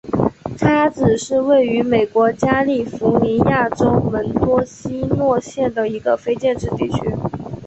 叉子是位于美国加利福尼亚州门多西诺县的一个非建制地区。